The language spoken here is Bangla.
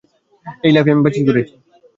এই লাইফ আমি বাছাই করেছি।